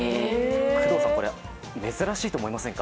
工藤さん、珍しいと思いませんか。